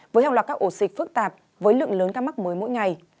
với hàng loạt các ổ dịch phức tạp với lượng lớn ca mắc mới mỗi ngày